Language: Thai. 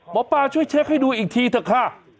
หมอปลาช่วยเช็คให้ดูอีกทีเถอะค่ะ